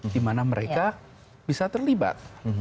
di mana mereka bisa terlibat